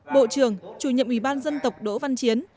bộ trưởng chủ nhiệm ủy ban dân tộc đỗ văn chiến